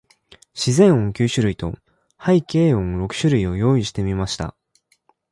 自然音九種類と、背景音六種類を用意してみました。